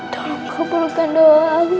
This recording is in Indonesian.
tolong kaburkan doa aku